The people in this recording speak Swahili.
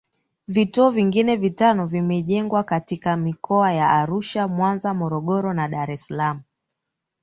Vituo vingine vitano vimejengwa katika mikoa ya Arusha Mwanza Morogoro na Dar es Salaam